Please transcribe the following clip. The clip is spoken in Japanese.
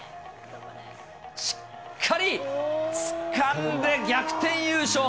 しっかりつかんで逆転優勝。